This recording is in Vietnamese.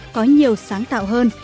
có nhiều sáng tạo hơn